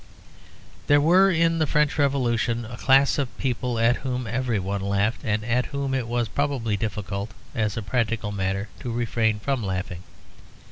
There were in the French Revolution a class of people at whom everybody laughed, and at whom it was probably difficult, as a practical matter, to refrain from laughing.